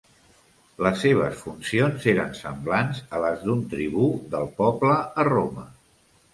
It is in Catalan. Les seves funcions eren semblants a les d'un tribú del poble a Roma.